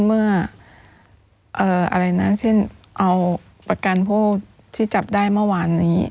เมื่อเอาประกันผู้ที่จับได้เมื่อวานนี้